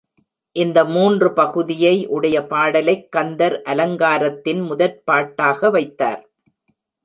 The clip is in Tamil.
இந்த மூன்று பகுதியை உடைய பாடலைக் கந்தர் அலங்காரத்தின் முதற்பாட்டாக வைத்தார்.